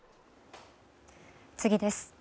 次です。